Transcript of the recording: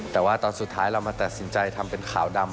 แต่ว่าตอนสุดท้ายเรามาตัดสินใจทำเป็นขาวดำ